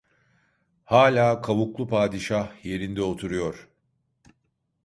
Hâlâ kavuklu padişah yerinde oturuyor!